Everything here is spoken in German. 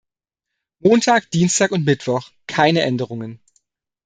Montag, Dienstag und Mittwoch: keine Änderungen.